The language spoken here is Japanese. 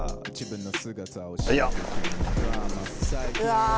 うわ。